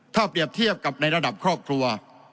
ถ้าเปรียบเทียบกับในระดับครอบครัว